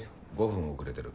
５分遅れてる。